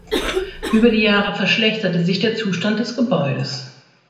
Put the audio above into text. Über die Jahre verschlechterte sich der Zustand des Gebäudes.